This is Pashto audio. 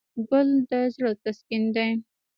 ګل د زړه تسکین دی.